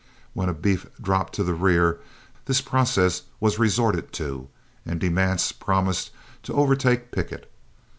When a beef dropped to the rear, this process was resorted to, and De Manse promised to overtake Pickett.